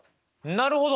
なるほど。